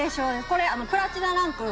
これプラチナランク。